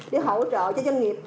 để hỗ trợ cho doanh nghiệp